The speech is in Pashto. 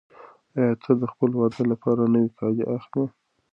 آیا ته د خپل واده لپاره نوي کالي اخلې؟